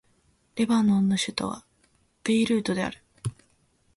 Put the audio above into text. レバノンの首都はベイルートである